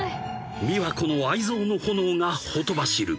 美琶子の愛憎の炎がほとばしる］